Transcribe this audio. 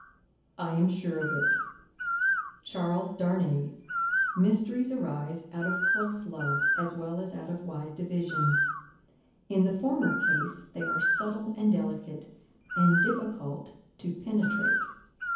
"I am sure of it. Charles Darnay, mysteries arise out of close love, as well as out of wide division; in the former case, they are subtle and delicate, and difficult to penetrate.